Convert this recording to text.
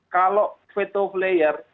kalau fetow flayer